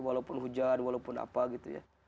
walaupun hujan walaupun apa gitu ya